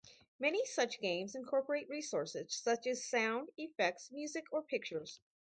Many such games incorporate resources such as sound effects, music, or pictures.